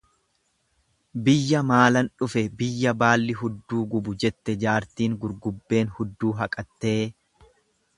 Biyya maalan dhufe biyya baalli hudduu gubu jette jaartiin, gurgubbeen hudduu haqattee.